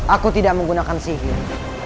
aku tidak menggunakan sihir